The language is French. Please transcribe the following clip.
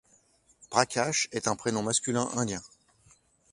Prakash est un prénom masculin indien.